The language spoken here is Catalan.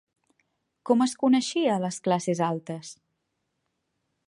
Com es coneixia a les classes altes?